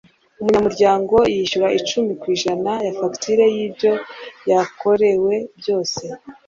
umunyamuryango yishyura icumi ku ijana ya fagitire y'ibyo yakorerwe byose